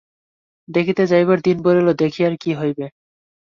দেখিতে যাইবার দিন বলিল, দেখিয়া আর কী হইবে।